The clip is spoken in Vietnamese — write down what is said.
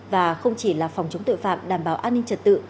và không chỉ là phòng chống tội phạm đảm bảo an ninh trật tự